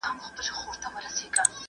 ملا عبدالمنان حيرت سرپاس ګدا